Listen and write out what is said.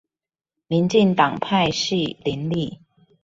民進黨派系林立